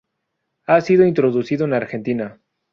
Ha sido introducido en Argentina.